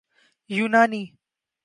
یونانی